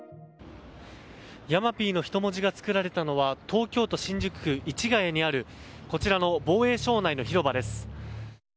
山Ｐの人文字が作られたのは東京都新宿区市谷にあるこちらの防衛省内の広場です。